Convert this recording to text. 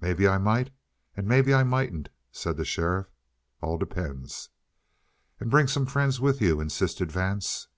"Maybe I might, and maybe I mightn't," said the sheriff. "All depends." "And bring some friends with you," insisted Vance.